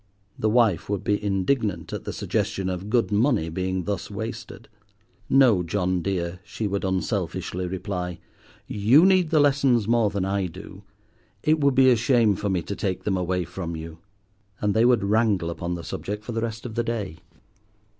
The wife would be indignant at the suggestion of good money being thus wasted. "No, John, dear," she would unselfishly reply, "you need the lessons more than I do. It would be a shame for me to take them away from you," and they would wrangle upon the subject for the rest of the day.